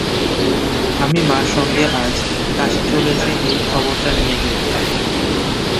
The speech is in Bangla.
আমি মার সঙ্গে আজ কাশী চলেছি এই খবরটি দিয়ে গেলুম।